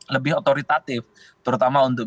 lebih otoritatif terutama untuk